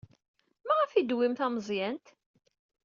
Maɣef ay d-tewwim tameẓyant?